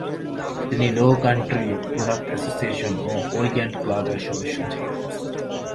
তিনি low country product association ও Orient ক্লাবের সদস্য ছিলেন।